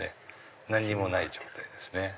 何もない状態ですね。